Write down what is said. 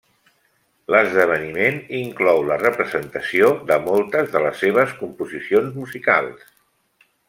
L'esdeveniment inclou la representació de moltes de les seves composicions musicals.